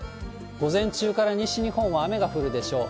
午前中から西日本は雨が降るでしょう。